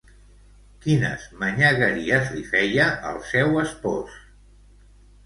Quines manyagueries li feia al seu espòs?